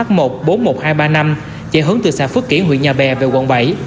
chạy hướng từ xã phước kiển huyện nhà bè về quận bảy